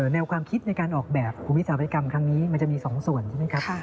แนวความคิดในการออกแบบของวิสาหกรรมครั้งนี้มันจะมี๒ส่วนใช่ไหมครับ